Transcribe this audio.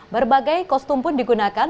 berbagai kostum pun digunakan